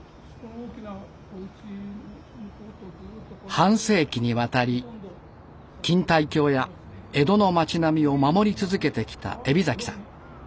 半世紀にわたり錦帯橋や江戸の町並みを守り続けてきた海老さん。